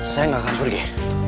saya gak akan pergi